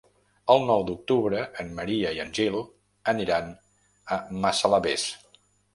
El nou d'octubre en Maria i en Gil aniran a Massalavés.